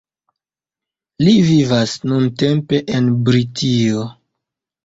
Li vivas nuntempe en Britio.